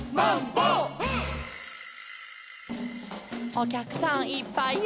「おきゃくさんいっぱいや」